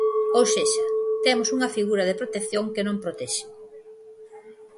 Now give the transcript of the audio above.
Ou sexa, temos unha figura de protección que non protexe.